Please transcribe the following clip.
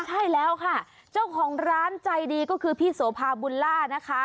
ใช่แล้วค่ะเจ้าของร้านใจดีก็คือพี่โสภาบุญล่านะคะ